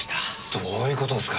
どういう事ですか？